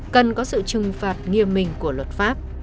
cần có sự trừng phạt nghiêm minh của luật pháp